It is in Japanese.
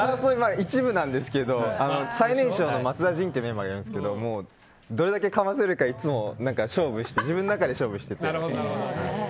一部なんですけど最年少の松田迅ってメンバーがどれだけかませるか、いつも自分の中で勝負してて。